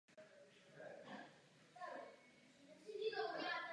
Letecká společnost byla původně členem aliance Star Alliance.